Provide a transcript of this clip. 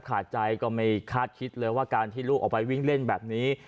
ขาดใจก็ไม่คาดคิดเลยว่าการที่ลูกออกไปวิ่งเล่นแบบนี้